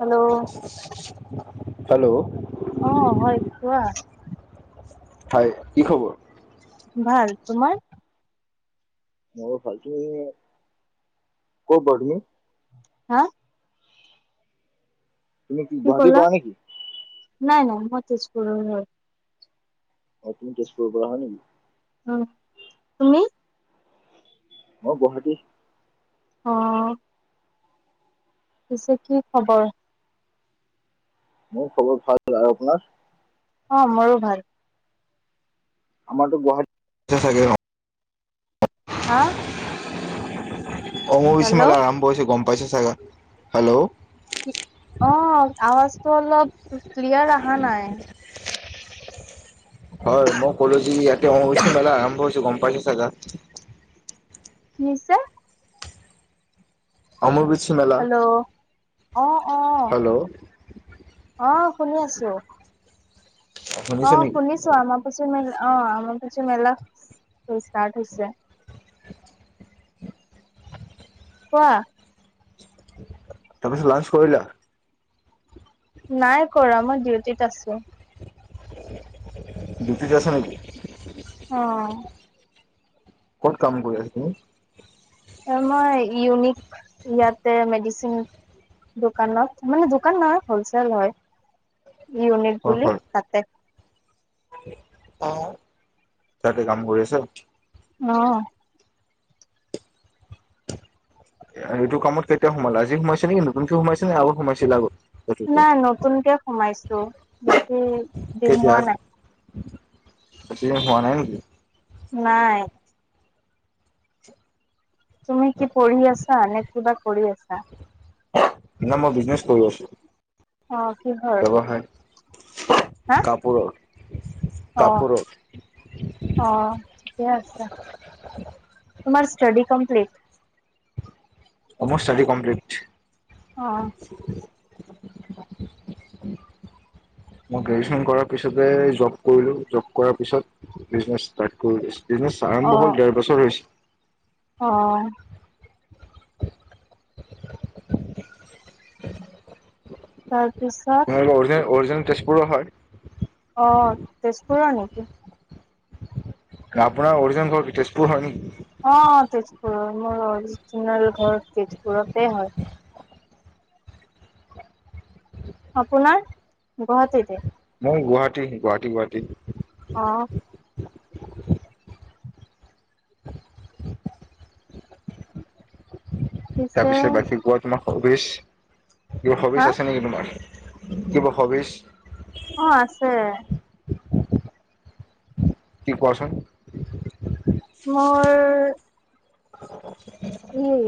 Hello hello অ হয় কোৱা হয় কি খবৰ ভাল তোমাৰ মোৰো ভাল তুমি কৰপৰা তুমি হা তুমি কি গুৱাহাটী ক'লা পাৰা নেকি নাই নহয় মই তেজপুৰৰ হয় অ তুমি তেজপুৰৰ পৰা হয় নেকি অ তুমি মই গুৱাহাটীৰ অ পিছে কি খবৰ মোৰ খবৰ ভাল আৰু আপোনাৰ অ মোৰো ভাল আমাৰটো গুৱাহাটীতে থাকে হা অম্বোবাছি হেল্ল' মেলা আৰম্ভ হৈছে গম পাইছা চাগে হেল্ল' অ আৱাজটো অলপ ক্লিয়াৰ অহা নাই হয় মই কলো যে ইয়াতে অম্বোবাছি মেলা আৰম্ভ হৈছে গম পাইচে চাগে। কি কৈছে। অ মোৰ বি। হেল্ল' অহ অহ হেল্ল' অহ শুনি আছো। অ শুনিছা নেকি? শুনিছো আমাৰ পচোন মান। অ আমাৰ পছ মেলা ষ্টাৰ্ট হৈছে। কোৱা। তাৰপাছত লাঞ্চ কৰিলা? নাই কৰা। মই ডিউটিত আছো। ডিউটিত আছা নেকি? অ। ক'ত কাম কৰি আছে? আ মই ইউনিক ইয়াতে মেডিচিন দোকানত মানে দোকান নহয় হলচেল হয়। ইউনিট বুলি তাতে। অহ তাতে কাম কৰি আছা? অহ। এইটো কামত কেতিয়া সোমালা? আজি সোমাইছা নেকি? নতুনকৈ সোমাইছে নে আ আগত সোমাইছিলা আগ নাই নতুনকে সোমাইছো। বেছি দিন হোৱা নাই। বেছিদিন হোৱা নাই নেকি? নাই। তুমি কি পঢ়ি আছা নে কি? কিবা কৰি আছা? ন মই বিজনেচ কৰি আছো। অ কিহৰ? ব্যৱসায় কাপোৰৰ আহ কাপোৰৰ অ অ ঠিকে আছে। তোমাৰ ষ্টাডী কমপ্লিট? অ মোৰ ষ্টাডী কমপ্লিট। অ [inaudible] মই গ্ৰেজুৱেচন কৰাৰ পিছতে জব কৰিলো জব কৰাৰ পিছত বিজনেছ ষ্টাৰ্ট কৰিছিলো। বিজনেচ অ আৰম্ভ হল দেৰ বছৰ হৈছে। অ [inaudible] হয়। দুছাত আপোনালোকৰ অৰিজিনেল অৰিজিনেল তেজপুৰৰ হয়। অ তেজপুৰৰ নেকি? আপোনাৰ অৰিজিনেল ঘৰ কি তেজপুৰ হয় নেকি? অ তেজপুৰৰ। মোৰ অৰিজিনেল ঘৰ তেজপুৰতে হয়। অপোনাৰ গুৱাহাটীতে? মোৰ গুৱাহাটী, গুৱাহাটী। গুৱাহাটী। অ [unintelligible] তাৰ পিছে পিছত বাকী কোৱা তোমাক স ৱিছ কিবা হা হবিচ আছে নেকি তোমাৰ? কিবা হবিচ? অ আছে। কি কোৱাচোন? মোৰ সেই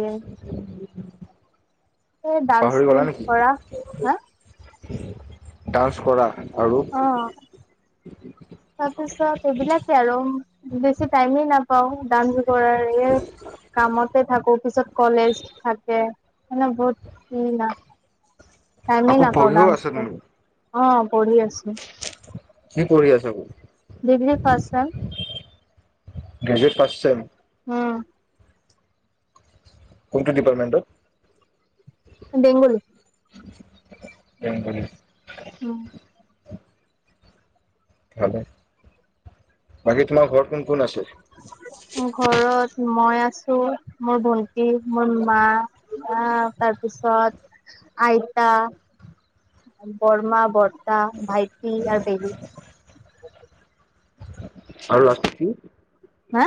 ডান্স পাহৰি গলা ডুন্স নেকি কৰা, হা? ডান্স কৰা আৰু অ তাৰপিছত এইবিলাকে আৰু বেছি টাইমে নাপ পাও ডান্স কৰাৰ এই কামতে থাকো পিছত কলেজ থাকে, মানে বহুত ইমান টাইমেই আকৌ নাপাও পঢ়িও ডান্স আছা তুমি অ পঢ়ি আছো। কি পঢ়ি আছা degree first sem. Graduate first sem উম। কোনটো ডিপাৰ্টমেণ্টত? বেংগলী। বেংগলী উম ভালে, বাকী তোমাৰ ঘৰত কোন কোন আছে? ঘৰত মই মোৰ ভন্টি, মোৰ মা, বা তাৰপিছত আইতা, বৰমা বৰ তা, ভাইটি আৰু পেহী আৰু ৰাখি হা?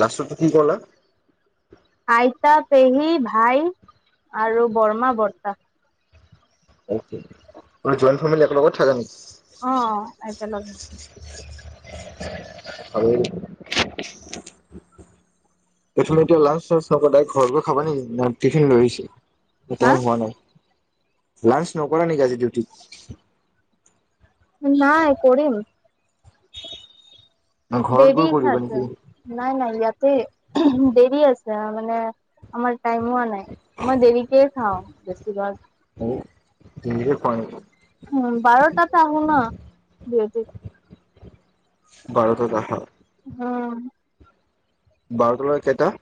লাষ্টটো কি কলা? আইতা, পেহী, ভাই আৰু বৰমা, বৰ্তা। জইণ্ট ফেমিলি একে লগত থাকা। অ একেলগে। আৰু একচুৱেলি এতিয়া লাঞ্চ ডাৰেক্ট ঘৰ গৈ খাবা নেকি টিফিন লৈ আহিছে হা এতিয়াও হোৱা নাই। লাঞ্চ নকৰা নেকি আজি ডিউটি নাই, কৰিম। না ঘৰত দেৰি গৈ কৰিবা নেকি আছে, নাই নাই। ইয়াতে দেৰি আছে। মানে আমাৰ টাইম হোৱা নাই, মই দেৰিকে খাওঁ বেছি ভাগ- কিহে পাই উম! বাৰটাত আহোঁ ন [unintelligible] বাৰটাত আহা? উম! বাৰটাৰ লৈকে কেইটা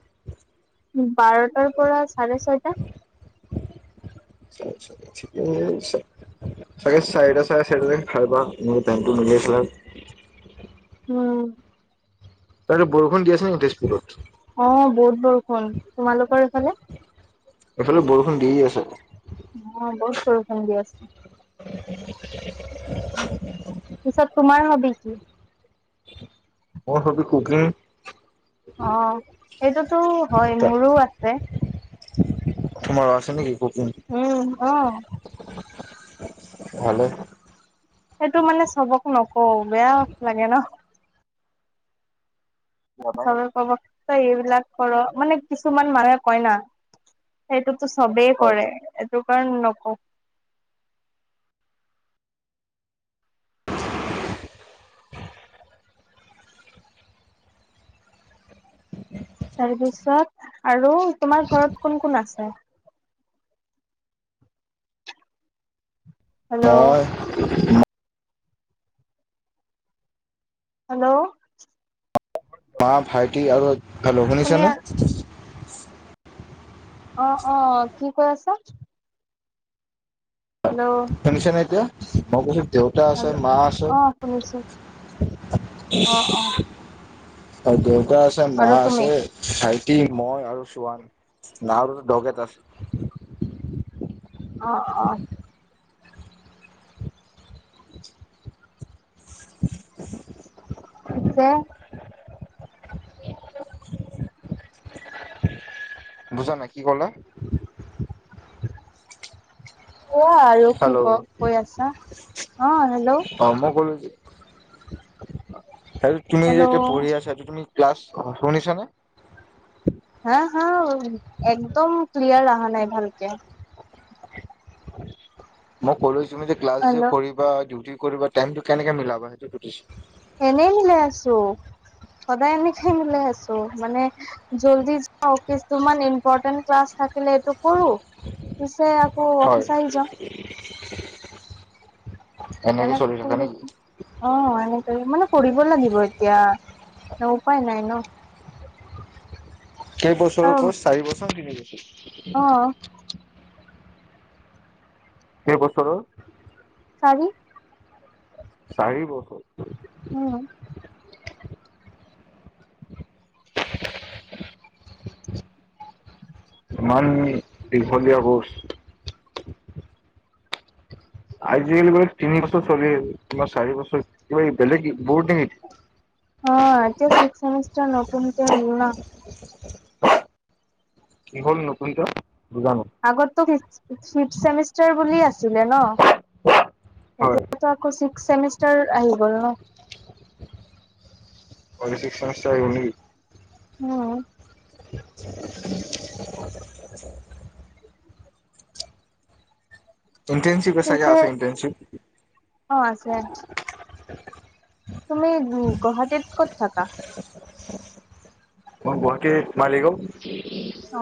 বাৰটাৰ পৰা চাৰে ছয়টা চাগে চাৰিটা, চাৰেচাৰিটা খাই [unintelligible] মোৰ কামটো মিলি আছিলে। উম। তাকেতো বৰষুণ দি আছে নেকি তেজপুৰত? অ, বহুত বৰষুণ। তোমালোকৰ এইফালে? এইফালেও বৰষুণ দিয়ে আছে। অ বহুত বৰষুণ দি আছে [inaudible] পিছে তোমাৰ হবি কি? মোৰ হবি কুকিং অ সেইটোতো হয়, মোৰো আছে। তোমাৰ আছে নেকি কত? উম, অ। ভালেই। সেইটো মানে চবক নকওঁ বেয়া লাগে ন যাবাই চবে নেকি কব ত‌ই এইবিলাক কৰ, মানে কিছুমান মানুহে কয় না। সেইটো তো চবেই হয় কৰে। সেইটো কাৰণে নকওঁ। [inaudible] তাৰপিছত আৰু? তোমাৰ ঘৰত কোন-কোন আছে? [inaudible] হেল্ল' মই [unintelligible] হেল্ল' মা, ভাইটি আৰু হেল্ল', শুনি শুনিছানে? অ-অ কি কৈ আছা? হেল্ল' [unintelligible] শুনিছানে এতিয়া? মই কৈছোঁ দেউতা আছে, হেল্ল' মা আছে। অ শুনিছো অ অ হয় দেই। দেউতা আছে, মা আৰু তুমি আছে, ভাইটি মই আৰু চুৱান আৰু দগ এটা অ-অ। [inaudible] পিছে বুজা নাই, কি ক'লা? কোৱা আৰু কি ক হেল্ল' কৈ আছা। অ হেল্ল'। [inaudible] সেইটোৱে যে হেল্ল' এতিয়া পঢ়ি আছা যে তুমি ক্লাছ অ শুনিছানে? হা হা একদম ক্লিয়াৰ অহা নাই ভালকে। মই কলো যে তুমি যে ক্লাছ যে হেল্ল' কৰিবা ডিউটি কৰিব টাইমটো কেনেকে মিলাব সেইটো সুধিছো এনেই মিলাই আছো। সদায় এনেকে মিলাই আছো মানে জল্দি যাও কিছুমান ইম্পৰ্টে ক্লাছ থাকিলে এইটো কৰো পিছে আকৌ হয় অফিচ আহি যাওঁ। [unintelligible] চলি থাকা নে নেকি অ এনেক মানে কৰিব লাগিব এতিয়া উপায় নাই ন [unintelligible] কেইবছৰৰ আৰু কচ চাৰিছৰ তিনি বছৰ [inaudible] অ অহ কে বছৰৰ চাৰি চাৰি বছৰ উম ইমান দীঘলীয়া বোত আজিকালি বোলে তিনি বছৰ চলি তোমাৰ চাৰি বছৰ কিবা বেলেগ বৰ্ড নে অ এতিয়া সিক্স চেমিষ্টাৰ নতুনকে হল ন! কি হল নতুনকে? আগত তো ফিক ফিক্সচিপ চেমিছ বুলি আছিলে ন, হয় এতিয়াতো আকৌ চেমিষ্টাৰ আহি গল ন কলিছিক মাষ্টাৰ আহিব নেকি? উম [unintelligible] ইটেনশিপ ক চাগে পিছে আছে ইণ্টেনশিপ অ আছে [unintelligible] তুমি গুৱাহাটীত ক'ত থাকা? অ গুৱাহাটী মালি গাঁও। অ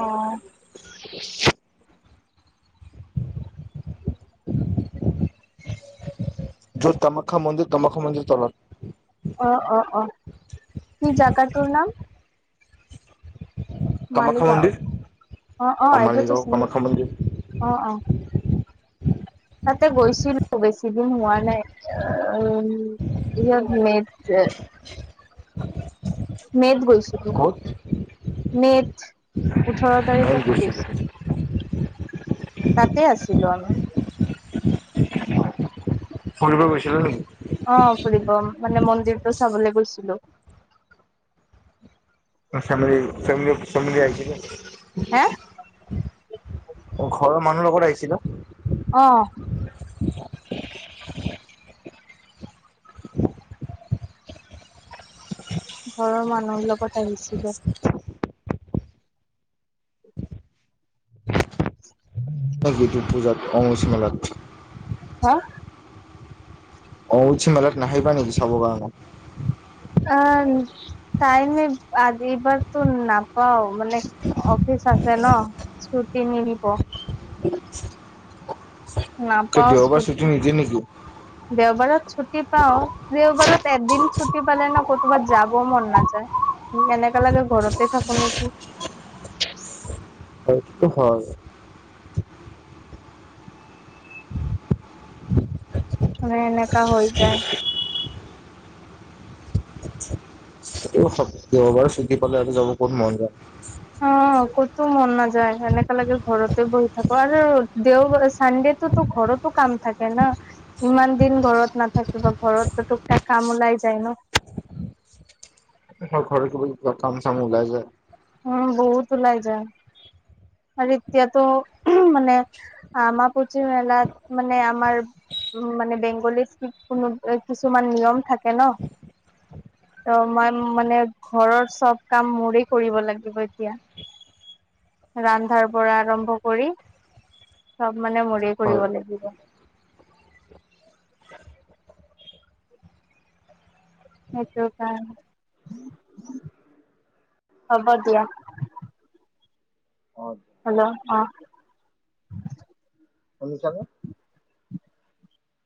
[unintelligible] য তমখ্যা মন্দিৰ তমখ্যা মন্দিৰ তলত। অ অ অ, কি জাগা তোৰ নাম? মালি কামাখ্যা গাঁও। মন্দিৰ অ অ এইটোতো মালিগাঁও চিনি কামাখ্যা মন্দিৰ অ অ তাতে গৈছিলো বেছি দিন হোৱা নাই আ উ ইমে মেত যে মেত গৈছিলো ক'ত মেত ওঠৰত মই তাৰিখত গৈছিলো গৈছো। তাতে আছিলো আমি পঢ়িবলে গৈছিল নেকি আহ ফুৰিব মানে মন্দিৰটো চাবলে গৈছিলো চাম চামল আহাইছিল [unintelligible] হে ঘৰৰ মানুহৰ লগত আহিছিলে অ ঘৰৰ মানুহ লগত আহিছিলে [inaudible] গীটো পূজাত অংগচু মেলাত [unintelligible] হা অ উচি মেলাত নাহিবা নেকি চাব কাৰণে অ তাইমে আজিপাটো নাপাওঁ মানে অফিচ আছে ন ছুটি নিদিব [unintelligible] কিয় নাপাওঁ দেওবাৰ ছুটি নিদিয়ে নেকি? দেওবাৰত চু তি পাও দেওবাৰত এদিন ছুটি পালে ন ক'তোবাত যাব মন নাযায় এনেকা লাগে ঘৰতে থাকো নেকি [unintelligible] সেইটো হয় এ এনেকা হৈ যায় সেইটো হ দেওবাৰ চুটি পালে আৰু যাব ক'ত মন যায় অ কতোও মন নাযায় এনেকা লাগে ঘৰতে বহি থাকো আৰু দেওবাৰে চানডেতেতো ঘৰতো কাম থাকে ন ইমান দিন ঘৰত নাথাকো ত বা ঘৰতো টুক তাক কাম ওলাই যায় ন [unintelligible] অ ঘৰৰ কিবা কিবি কাম চাম চাম ওলাই যায় উ বহুত ওলাই যায় আৰু এতিয়াতো মানে আমাৰ পচি মেলাত মানে আমাৰ উ মানে বেংগলীত কোনো কিছুমান নিয়ম থাকে ন ত মই মানে ঘৰৰ চব কাম মৰিক [unintelligible] কৰিব লাগিব এতিয়া ৰান্ধাৰ পৰা আৰম্ভ কৰি চব মানে মৰিৰ হয়। কৰিব লাগিব সেইটো কাৰণ হব দিয়া অ' হলো অ শুনিছানে?